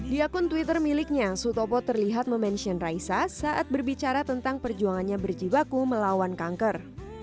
di akun twitter miliknya sutopo terlihat memention raisa saat berbicara tentang perjuangannya berjibaku melawan kanker